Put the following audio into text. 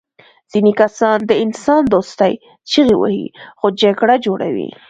ځینې کسان د انسان دوستۍ چیغې وهي خو جګړه جوړوي